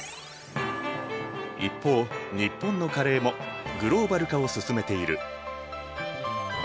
一方日本のカレーもグローバル化を進めている。